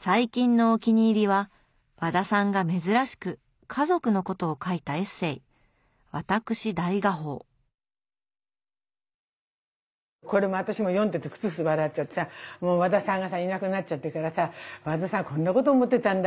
最近のお気に入りは和田さんが珍しく家族のことを書いたエッセーこれも私も読んでてクスクス笑っちゃってさ和田さんがさいなくなっちゃってからさ和田さんこんなこと思ってたんだ